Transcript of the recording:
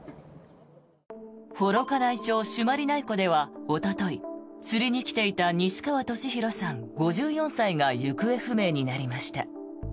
幌加内町・朱鞠内湖ではおととい、釣りに来ていた西川俊宏さん、５４歳が行方不明になりました。